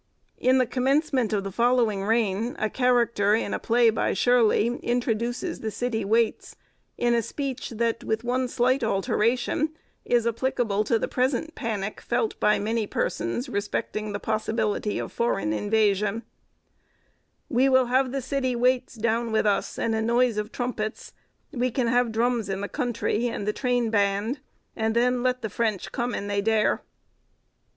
In the commencement of the following reign a character in a play by Shirley introduces the city waits in a speech that, with one slight alteration, is applicable to the present panic felt by many persons respecting the possibility of foreign invasion: "We will have the city waites down with us, and a noise of trumpets; we can have drums in the country, and the train band, and then let the [French] come an they dare."